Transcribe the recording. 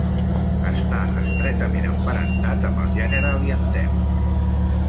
Està estretament emparentat amb el gènere heliantem.